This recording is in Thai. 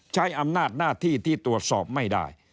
ใช้อำนาจหน้าที่ที่ตรวจสอบไม่ได้